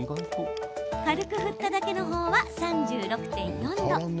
軽く振っただけの方は３６．４度。